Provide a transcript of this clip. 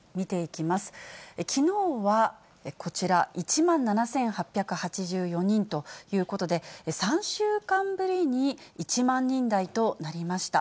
きのうはこちら、１万７８８４人ということで、３週間ぶりに１万人台となりました。